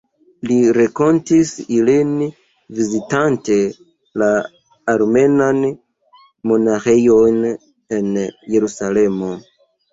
Li renkontis ilin vizitante la armenan monaĥejon en Jerusalemo.